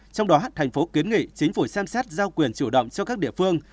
trong đó thành phố kiến nghị chính phủ xem xét giao quyền chủ động cho các địa phương